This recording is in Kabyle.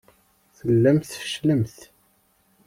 Tellamt tfecclemt.